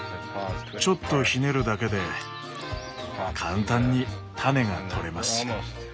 ちょっとひねるだけで簡単に種が取れます。